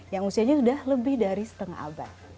yang usianya sudah lebih dari setengah abad